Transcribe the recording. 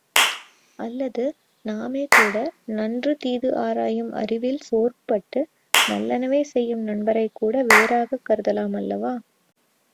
அல்லது நாமேகூட நன்று தீது ஆராயும் அறிவில் சோர்வுபட்டு நல்லனவே செய்யும் நண்பரைக் கூட வேறாகக் கருதலாம் அல்லவா?